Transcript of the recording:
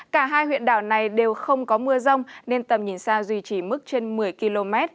cả hai huyện đảo này đều không có mưa rông nên tầm nhìn xa duy trì mức trên một mươi km